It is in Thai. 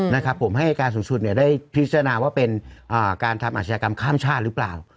นะครับผมให้การสูงสุดเนี่ยได้พิจารณาว่าเป็นการทำอาชญากรรมข้ามชาติหรือเปล่า